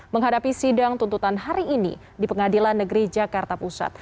menghadapi sidang tuntutan hari ini di pengadilan negeri jakarta pusat